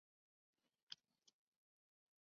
海南雀舌木为大戟科雀舌木属下的一个种。